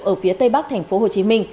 ở phía tây bắc tp hcm